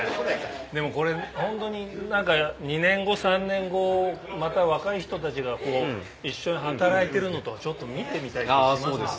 でもこれホントに２年後３年後また若い人たちが一緒に働いてるのとか見てみたい気しますもんね。